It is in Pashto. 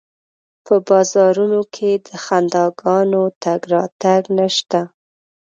په بازارونو کې د خنداګانو تګ راتګ نشته